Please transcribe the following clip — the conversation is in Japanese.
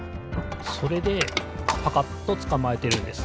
それでパカッとつかまえてるんです。